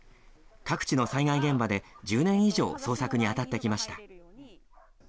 各地の災害現場で、１０年以上、捜索に当たってきました。